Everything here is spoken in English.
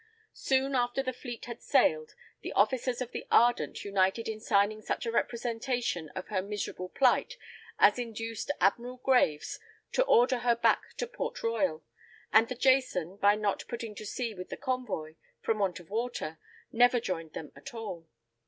Soon after the fleet had sailed, the officers of the Ardent united in signing such a representation of her miserable plight as induced Admiral Graves to order her back to Port Royal, and the Jason, by not putting to sea with the convoy, from want of water, never joined him at all.